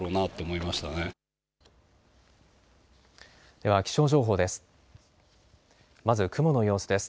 では気象情報です。